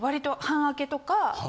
半開けとか。